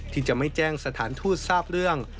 ที่จะไม่แจ้งสถานทูตทราบเรื่อง